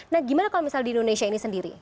nah gimana kalau misalnya di indonesia ini sendiri